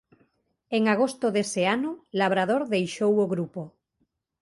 En agosto dese ano Labrador deixou o grupo.